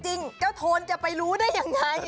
จริงเจ้าโทนจะไปรู้ได้อย่างไร